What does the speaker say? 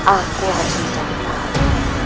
aku harus mencari tahu